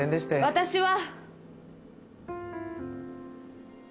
私は。